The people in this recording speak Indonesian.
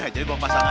jadi gua pasang aja